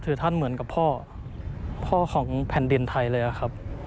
ท่านเหมือนกับพ่อพ่อของแผ่นดินไทยเลยครับ